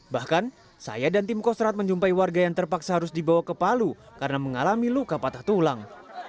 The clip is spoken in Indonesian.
bahkan saya dan tim kostrat menjumpai warga yang terpaksa harus dibawa ke palu karena mengalami luka patah tulang